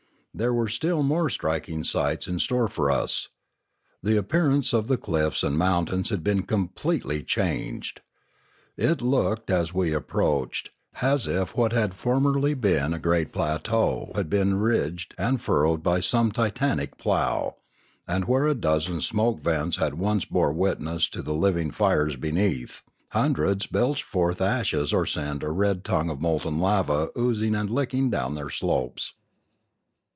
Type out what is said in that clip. There were still more striking sights in store for us. The appearance of the cliffs and mountains had been completely changed. It looked, as we approached, as if what had formerly been a great plateau had been ridged and furrowed by some titanic plough; and where a dozen smoke vents had once borne witness to the living fires beneath, hundreds belched forth ashes or sent a red tongue of molten lava oozing and licking down their slopes.